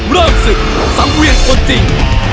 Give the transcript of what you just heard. เริ่มศึกสังเวียนคนจริง